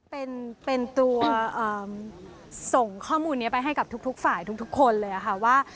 เป็นตัวส่งข้อมูลนี้ไปให้กับทุกฝ่ายทุกคนเลยค่ะว่า